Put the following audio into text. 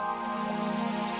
aku harus menyelamatkannya